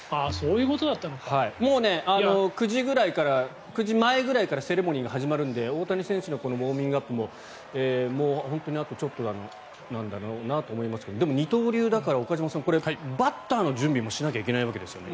もう９時前ぐらいからセレモニーが始まるので大谷選手のこのウォーミングアップももうあとちょっとなんだろうなと思いますけどでも二刀流だから岡島さん、これバッターの準備もしなきゃいけないわけですよね